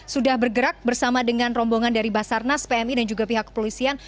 sudah bergerak bersama dengan rombongan dari basarnas pmi dan juga pihak kepolisian